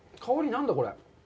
何だ、これ？